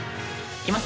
・行きます！